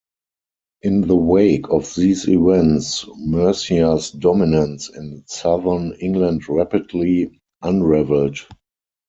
In the wake of these events, Mercia's dominance in southern England rapidly unravelled.